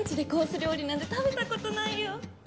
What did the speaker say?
料理なんて食べたことないよ！